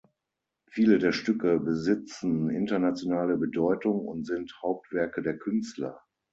Viele der Stücke besitzen internationale Bedeutung und sind Hauptwerke der Künstler.